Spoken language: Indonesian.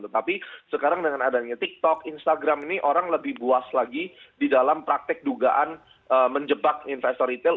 tetapi sekarang dengan adanya tiktok instagram ini orang lebih buas lagi di dalam praktek dugaan menjebak investor retail